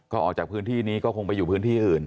ก็ออกจากพื้นที่นี้ก็คงไปอยู่พื้นที่อื่น